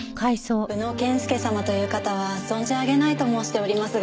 宇野健介様という方は存じ上げないと申しておりますが。